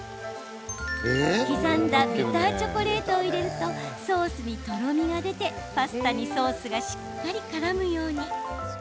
刻んだビターチョコレートを入れると、ソースにとろみが出てパスタにソースがしっかりからむように。